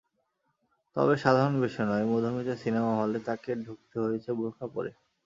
তবে সাধারণ বেশে নয়, মধুমিতা সিনেমা হলে তাঁকে ঢুকতে হয়েছে বোরকা পরে।